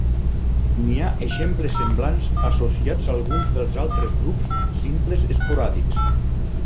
N'hi ha exemples semblants associats a alguns dels altres grups simples esporàdics.